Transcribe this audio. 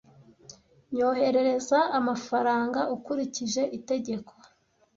Nyoherereza amafaranga ukurikije itegeko.